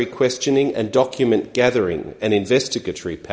dan kegagalan dan kekuatan investigatif